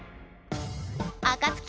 あかつき